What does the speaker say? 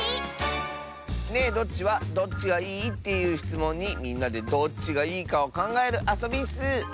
「ねえどっち？」は「どっちがいい？」っていうしつもんにみんなでどっちがいいかをかんがえるあそびッス。